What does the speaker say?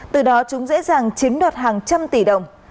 từ đó chúng dễ dàng chiếm đoạt hàng trăm tỷ đồng